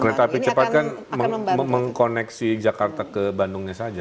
kereta api cepat kan mengkoneksi jakarta ke bandungnya saja